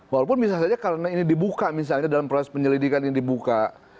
walaupun bisa saja karena ini dibuka misalnya dalam proses penyelidikan yang dibuka